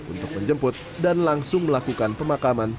untuk menjemput dan langsung melakukan pemakaman